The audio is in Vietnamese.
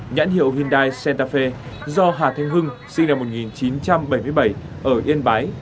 nhãn hiệu hyundai sentafe do hà thanh hưng sinh năm một nghìn chín trăm bảy mươi bảy ở yên bái